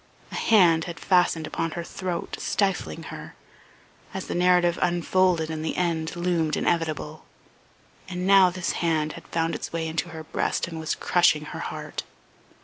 A hand had fastened upon her throat, stifling her, as the narrative unfolded and the end loomed inevitable; and now this hand found its way into her breast and was crushing her heart.